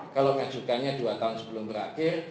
kalau ngajukannya dua tahun sebelum berakhir